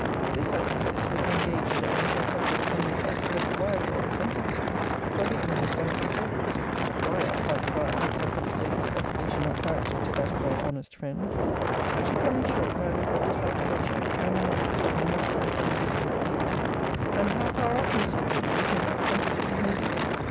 This, I supposed, would have engaged her into a subject from which I could have wiredrawn something: for Hickman is one of her favourites why, I can't divine, except for the sake of opposition of character to that of thy honest friend. But she cut me short by a look of disapprobation, and another cool remark upon a distant view; and, How far off, Miss Horton, do you think that clump of trees may be?